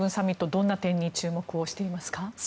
どんな点に注目していますか？